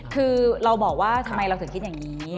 คือเราบอกว่าทำไมเราถึงคิดอย่างนี้